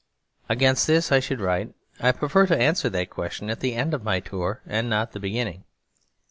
Against this I should write, 'I prefer to answer that question at the end of my tour and not the beginning.'